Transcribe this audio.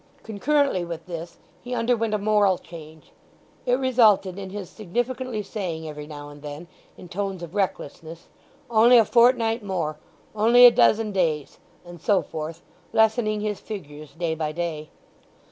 Concurrently with this he underwent a moral change. It resulted in his significantly saying every now and then, in tones of recklessness, "Only a fortnight more!"—"Only a dozen days!" and so forth, lessening his figures day by day.